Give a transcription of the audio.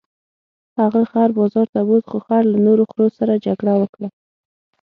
هغه خر بازار ته بوت خو خر له نورو خرو سره جګړه وکړه.